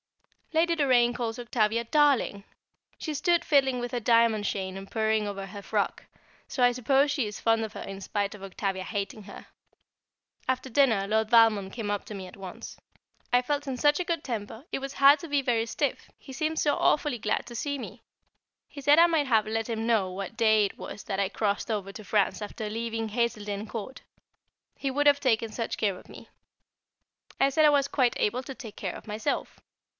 Lady Doraine calls Octavia "darling!" She stood fiddling with her diamond chain and purring over her frock, so I suppose she is fond of her in spite of Octavia hating her. [Sidenote: An Englishman's Views] After dinner Lord Valmond came up to me at once. I felt in such a good temper, it was hard to be very stiff, he seemed so awfully glad to see me. He said I might have let him know what day it was that I crossed over to France after leaving Hazeldene Court he would have taken such care of me. I said I was quite able to take care of myself.